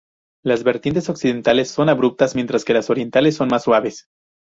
Las vertientes occidentales son abruptas mientras que las orientales son más suaves.